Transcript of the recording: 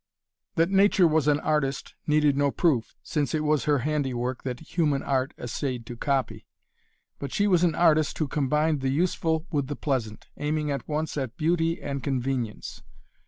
That Nature was an artist needed no proof, since it was her handiwork that human art essayed to copy. But she was an artist who combined the useful with the pleasant, aiming at once at beauty and convenience.